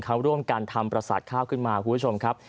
เขาร่วมกันทำประสาทข้าวขึ้นมาคุณผู้ชมครับ